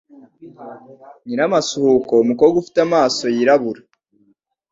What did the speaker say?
Nyiramasuhuko umukobwa ufite amaso yirabura,